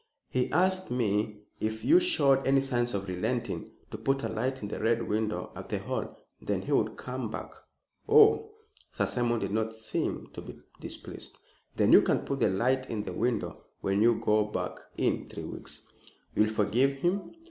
"He asked me, if you showed any signs of relenting, to put a light in the Red Window at the Hall. Then he would come back." "Oh!" Sir Simon did not seem to be displeased. "Then you can put the light in the window when we go back in three weeks." "You will forgive him?"